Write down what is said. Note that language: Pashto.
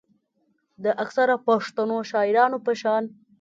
د اکثره پښتنو شاعرانو پۀ شان